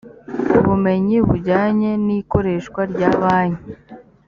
ubumenyi bujyanye n ikoreshwa rya banki